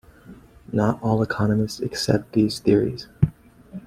Not all economists accept these theories.